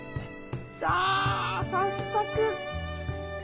さあ早速！